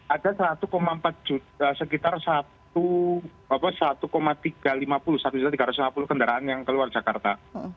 ada sekitar satu tiga ratus lima puluh kendaraan yang keluar jakarta